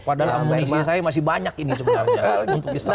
padahal amunisi saya masih banyak ini sebenarnya